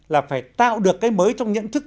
là phải tạo được cái mới trong nhận thức